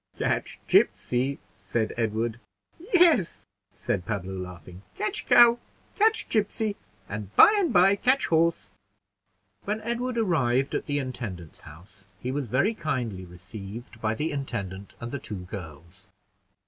"Catch gipsy," said Edward. "Yes," said Pablo, laughing, "catch cow, catch gipsy, and by and by catch horse." When Edward arrived at the intendant's house, he was very kindly received by the intendant and the two girls.